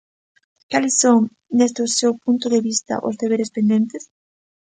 Cales son, desde o seu punto de vista, os deberes pendentes?